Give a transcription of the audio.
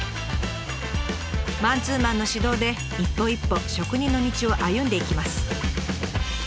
マンツーマンの指導で一歩一歩職人の道を歩んでいきます。